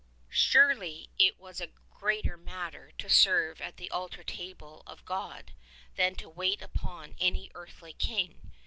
Surely it was a greater matter to serve at the altar table of God than to wait upon any earthly king.